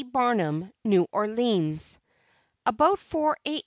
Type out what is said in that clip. BARNUM, New Orleans: About 4 A.